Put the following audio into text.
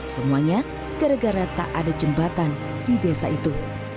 semuanya gara gara tak ada jembatan di desa itu